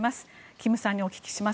金さんにお聞きします。